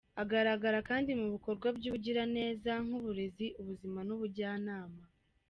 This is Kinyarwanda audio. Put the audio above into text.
Agaragara kandi mu bikorwa by’ubugiraneza nk’uburezi, ubuzima n’ubujyanama.